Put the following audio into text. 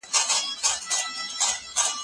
په ټولنه کي هر څوک خپل مسؤليت لري.